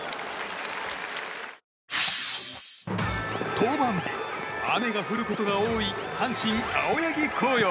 登板日、雨が降ることが多い阪神、青柳晃洋。